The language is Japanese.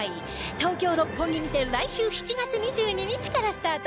東京六本木にて来週７月２２日からスタート